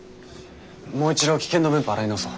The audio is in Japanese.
もう一度危険度分布を洗い直そう。